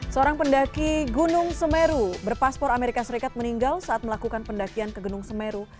seorang pendaki gunung semeru berpaspor amerika serikat meninggal saat melakukan pendakian ke gunung semeru